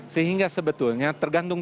sehingga sebetulnya tergantung